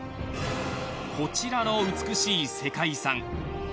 こちらの美しい世界遺産。